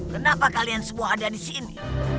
kenapa kalian semua ada di sini